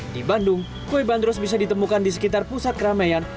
di bandung kue bandros bisa ditemukan di sekitar pusat keramaian